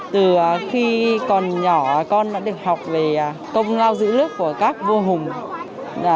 từ khi còn nhỏ con đã được học về công lao giữ nước của các vua hùng